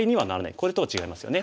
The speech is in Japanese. これとは違いますよね。